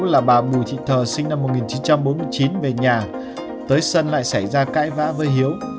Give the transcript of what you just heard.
là bà bùi thị thờ sinh năm một nghìn chín trăm bốn mươi chín về nhà tới sân lại xảy ra cãi vã với hiếu